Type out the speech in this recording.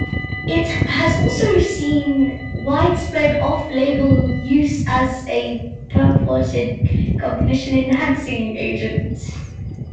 It has also seen widespread off-label use as a purported cognition-enhancing agent.